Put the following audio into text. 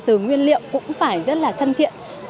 từ nguyên liệu cũng phải rất là thân thiện